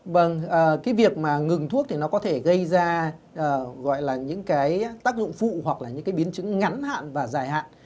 vâng cái việc mà ngừng thuốc thì nó có thể gây ra gọi là những cái tác dụng phụ hoặc là những cái biến chứng ngắn hạn và dài hạn